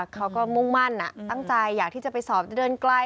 เขาก็มุ่งมั่นตั้งใจอยากที่จะไปสอบจะเดินไกล